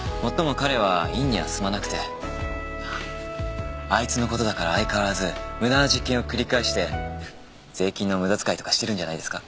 あっあいつの事だから相変わらず無駄な実験を繰り返して税金の無駄遣いとかしてるんじゃないですか？